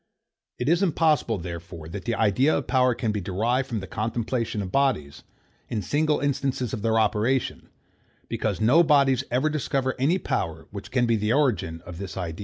It is impossible, therefore, that the idea of power can be derived from the contemplation of bodies, in single instances of their operation; because no bodies ever discover any power, which can be the original of this idea.